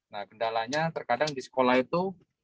nah kendalanya terkadang di sekolah itu